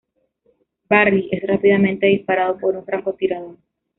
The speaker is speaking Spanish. Barry es rápidamente disparado por un francotirador.